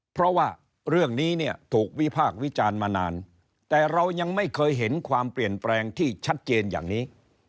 เพราะว่าเรื่องนี้เนี่ยถูกวิพากษ์วิจารณ์มานานแต่เรายังไม่เคยเห็นความเปลี่ยนแปลงที่ชัดเจนอย่างนี้